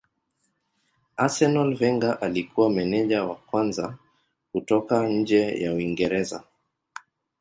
Arsenal Wenger alikuwa meneja wa kwanza kutoka nje ya Uingereza.